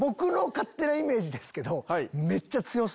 勝手なイメージです。